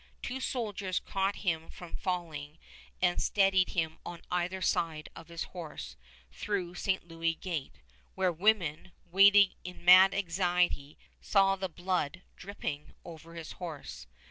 Two soldiers caught him from falling, and steadied him on either side of his horse through St. Louis gate, where women, waiting in mad anxiety, saw the blood dripping over his horse.